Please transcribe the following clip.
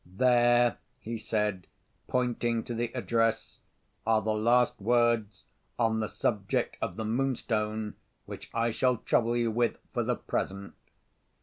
"There," he said, pointing to the address, "are the last words, on the subject of the Moonstone, which I shall trouble you with for the present.